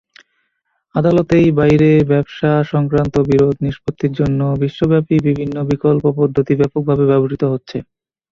আদালতের বাইরে ব্যবসাসংক্রান্ত বিরোধ নিষ্পত্তির জন্য বিশ্বব্যাপী বিভিন্ন বিকল্প পদ্ধতি ব্যাপকভাবে ব্যবহূত হচ্ছে।